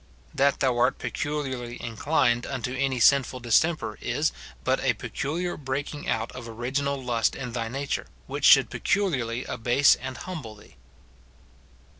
That thou art peculiarly in clined unto any sinful distemper is but a peculiar bref5.k ing out of original lust in thy nature, which should peculiarly abase and humble thee.